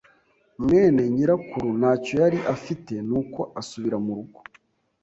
mwene nyirakuru ntacyo yari afite, nuko asubira murugo.